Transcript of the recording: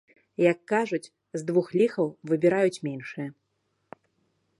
Як кажуць, з двух ліхаў выбіраюць меншае.